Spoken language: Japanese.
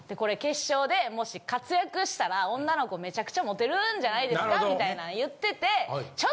決勝でもし活躍したら女の子めちゃくちゃモテるんじゃないですかみたいな